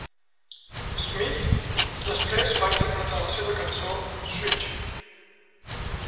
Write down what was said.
Smith després va interpretar la seva cançó "Switch".